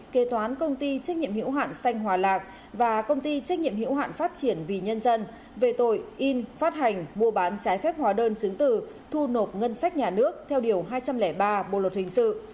kế toán công ty trách nhiệm hiệu hạn xanh hòa lạc và công ty trách nhiệm hiểu hạn phát triển vì nhân dân về tội in phát hành mua bán trái phép hóa đơn chứng tử thu nộp ngân sách nhà nước theo điều hai trăm linh ba bộ luật hình sự